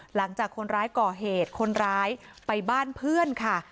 หลังจากคนร้ายก่อเหตุคนร้ายไปบ้านเพื่อนค่ะ